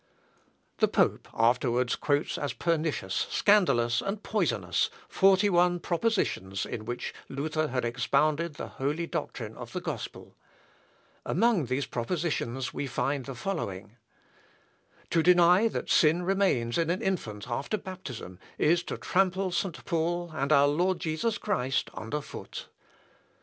Lat. i, p. 32. The pope afterwards quotes as pernicious, scandalous, and poisonous, forty one propositions in which Luther had expounded the holy doctrine of the gospel. Among these propositions we find the following: "To deny that sin remains in an infant after baptism, is to trample St. Paul and our Lord Jesus Christ under foot."